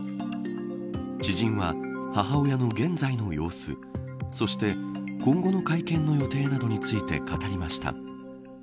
知人は母親の現在の様子そして、今後の会見の予定などについて語りました。